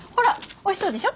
おいしそうでしょ？